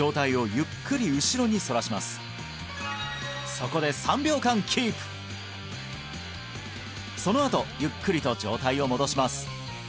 そこでそのあとゆっくりと上体を戻します